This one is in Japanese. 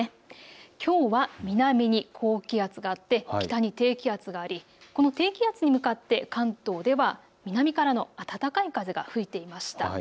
きょうは南に高気圧があって北に低気圧があり、この低気圧に向かって関東では南からの暖かい風が吹いていました。